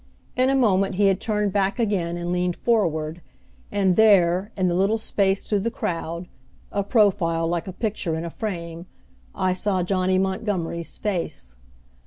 In a moment he had turned back again, and leaned forward, and there, in the little space through the crowd, a profile like a picture in a frame, I saw Johnny Montgomery's face.